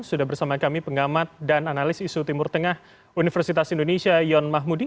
sudah bersama kami pengamat dan analis isu timur tengah universitas indonesia yon mahmudi